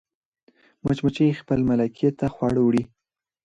مچمچۍ خپل ملکې ته خواړه وړي